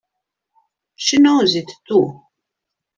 She knows it too!